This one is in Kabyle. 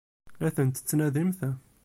La tent-tettnadimt?